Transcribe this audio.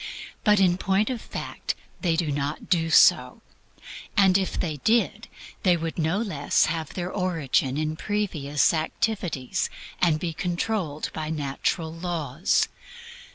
But in point of fact they do not do so; and if they did, they would no less have their origin in previous activities and be controlled by natural laws.